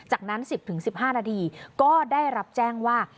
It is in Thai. จากนั้น๑๐๑๕นาทีก็ได้รับแจ้งว่า